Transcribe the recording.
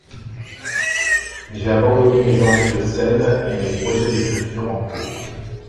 j'ai abandonné mes envies de scène et mes projets d'écriture en cours.